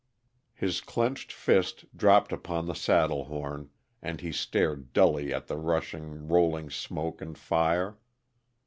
_ His clenched fist dropped upon the saddle horn, and he stared dully at the rushing, rolling smoke and fire.